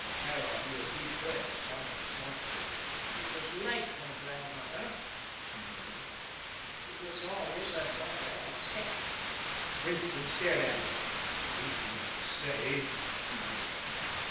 Kāra drew a deep breath, sighing softly. "It was like my grandmother," he murmured. "She was always a daughter of Set." Winston stared at him. "Do you mean to say " he began.